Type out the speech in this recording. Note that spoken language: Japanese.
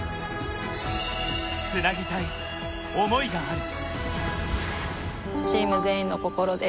つなぎたい思いがある。